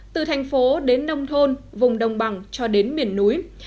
từ thành phố đến nông thôn vùng đồng bằng cho đến miền núi